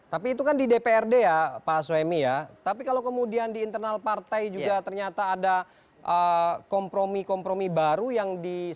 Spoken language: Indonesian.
tapi itu kan di dprd ya pak soemi ya tapi kalau kemudian di internal partai juga ternyata ada kompromi kompromi baru yang disampaikan